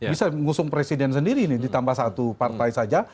bisa ngusung presiden sendiri ini ditambah satu partai saja